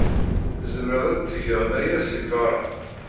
Tzemred ad d-tged aya seg beṛṛa.